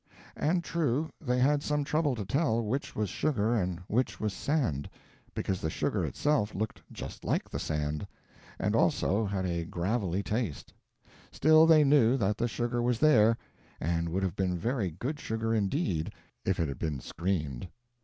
And true, they had some trouble to tell which was sugar and which was sand, because the sugar itself looked just like the sand, and also had a gravelly taste; still, they knew that the sugar was there, and would have been very good sugar indeed if it had been screened.